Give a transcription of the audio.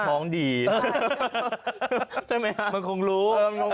มันบอกว่ามันคงรู้